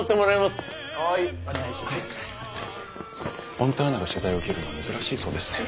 フォンターナが取材を受けるのは珍しいそうですね？